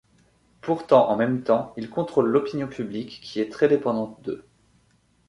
Pourtant en même temps ils contrôlent l’opinion publique qui est très dépendante d’eux.